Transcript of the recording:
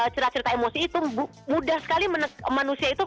cerita cerita emosi itu mudah sekali manusia itu